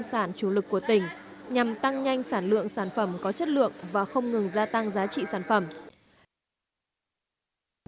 các sản phẩm nông sản chủ lực của tỉnh nhằm tăng nhanh sản lượng sản phẩm có chất lượng và không ngừng gia tăng giá trị sản phẩm